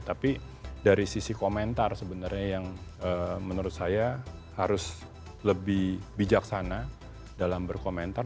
tapi dari sisi komentar sebenarnya yang menurut saya harus lebih bijaksana dalam berkomentar